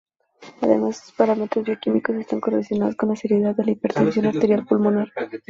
Además, estos parámetros bioquímicos están correlacionados con la seriedad de la hipertensión arterial pulmonar.